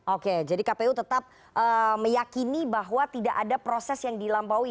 oke jadi kpu tetap meyakini bahwa tidak ada proses yang dilampaui